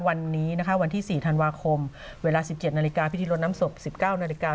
วันนี้นะคะวันที่๔ธันวาคมเวลา๑๗นาฬิกาพิธีลดน้ำศพ๑๙นาฬิกา